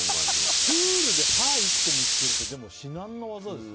プールで歯を１個見つけるって至難の業ですよ。